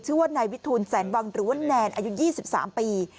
ชื่อว่านายวิทูลแสนวังหรือว่าแนนอายุ๒๓ปี